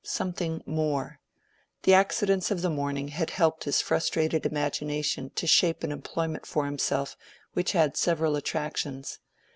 Something more. The accidents of the morning had helped his frustrated imagination to shape an employment for himself which had several attractions.